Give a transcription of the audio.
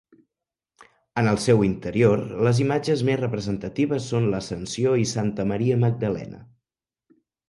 En el seu interior, les imatges més representatives són l'Ascensió i Santa Maria Magdalena.